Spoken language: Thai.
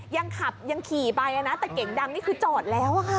ยังขับยังขี่ไปนะแต่เก่งดังนี่คือจอดแล้วอะค่ะ